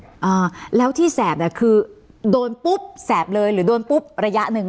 อ่าแล้วที่แสบเนี้ยคือโดนปุ๊บแสบเลยหรือโดนปุ๊บระยะหนึ่ง